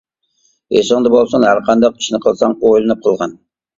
ئېسىڭدە بولسۇن، ھەرقانداق ئىشنى قىلساڭ ئويلىنىپ قىلغىن.